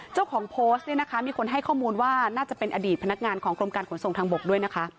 เจ้าของโพสต์เนี่ยนะคะมีคนให้ข้อมูลว่าน่าจะเป็นอดีตพนักงานของกรมการขนส่งทางบกด้วยนะคะ